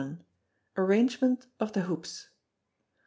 Arrangement of the Hoops.